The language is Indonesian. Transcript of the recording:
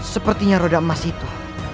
sepertinya roda emas itu